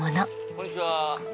こんにちは。